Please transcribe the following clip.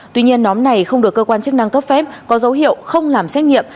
tuy nhiên nhóm này không được cơ quan chức năng cấp phép có dấu hiệu không làm xét nghiệm